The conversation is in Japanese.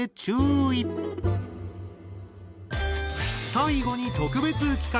最後に特別企画！